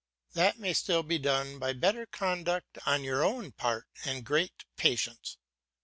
That may still be done by better conduct on your own part and great patience.